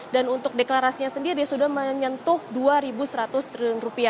dan untuk deklarasinya sendiri sudah menyentuh rp dua seratus triliun